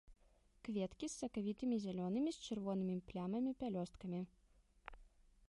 Кветкі з сакавітымі зялёнымі з чырвонымі плямамі пялёсткамі.